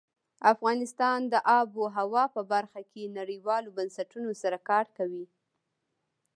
افغانستان د آب وهوا په برخه کې نړیوالو بنسټونو سره کار کوي.